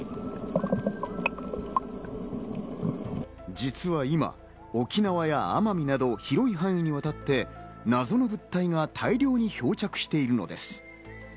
実は今、沖縄や奄美など広い範囲にわたって謎の物体が大量に漂着しているのです。